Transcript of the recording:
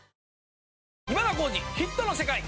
『今田耕司★ヒットの世界』。